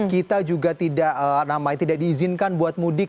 kita juga tidak namanya tidak diizinkan buat mudik